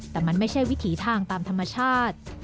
แต่มันไม่ใช่วิถีทางตามธรรมชาติ